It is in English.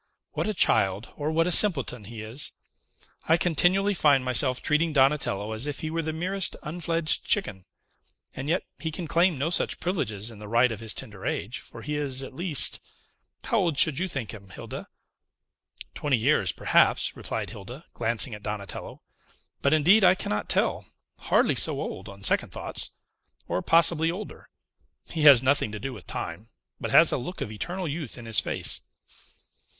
"What a child, or what a simpleton, he is! I continually find myself treating Donatello as if he were the merest unfledged chicken; and yet he can claim no such privileges in the right of his tender age, for he is at least how old should you think him, Hilda?" "Twenty years, perhaps," replied Hilda, glancing at Donatello; "but, indeed, I cannot tell; hardly so old, on second thoughts, or possibly older. He has nothing to do with time, but has a look of eternal youth in his face."